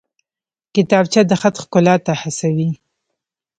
کتابچه د خط ښکلا ته هڅوي